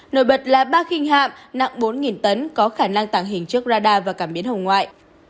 nổi bật là ba khinh hạm nặng bốn tấn có khả năng tảng hình trước radar và cảm biến hồng ngoại